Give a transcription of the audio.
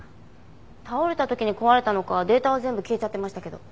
倒れた時に壊れたのかデータは全部消えちゃってましたけど。